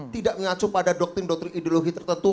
tidak mengacu pada doktrin doktrin ideologi tertentu